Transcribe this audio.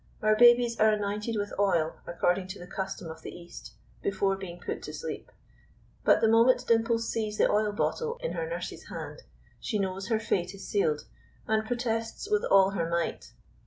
Our babies are anointed with oil, according to the custom of the East, before being put to sleep; but the moment Dimples sees the oil bottle in her nurse's hand, she knows her fate is sealed and protests with all her might.